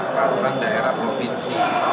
peraturan daerah provinsi